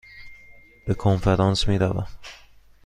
به کنفرانس می روم.